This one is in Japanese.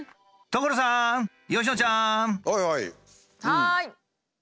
はい！